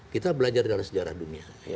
kita belajar dari sejarah dunia